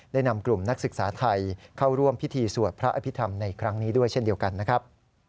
นำกลุ่มนักศึกษาไทยเข้าร่วมพิธีสวดพระอภิษฐรรมในครั้งนี้ด้วยเช่นเดียวกันนะครับ